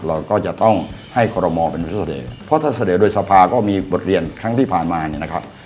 เราก็จะต้องให้คอรมอลเป็นผู้เสนอเพราะถ้าเสนอโดยสภาก็มีบทเรียนครั้งที่ผ่านมาเนี่ยนะครับ